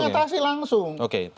mengatasi langsung oke